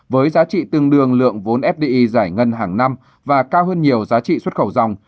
với giá trị tương đương lượng vốn fdi giải ngân hàng năm và cao hơn nhiều giá trị xuất khẩu dòng